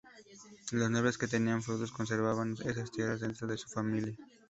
Los nobles que tenían feudos conservaban esas tierras dentro de su familia.